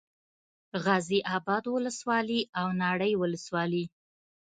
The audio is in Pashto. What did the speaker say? غازي اباد ولسوالي او ناړۍ ولسوالي